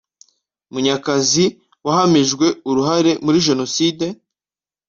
Munyakazi wahamijwe uruhare muri Jenoside